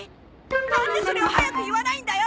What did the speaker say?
なんでそれを早く言わないんだよ！